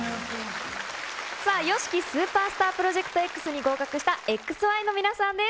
さあ、ＹＯＳＨＩＫＩＳＵＰＥＲＳＴＡＲＰＲＯＪＥＣＴＸに合格したＸＹの皆さんです。